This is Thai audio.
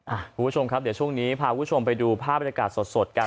คุณผู้ชมครับเดี๋ยวช่วงนี้พาคุณผู้ชมไปดูภาพบรรยากาศสดกัน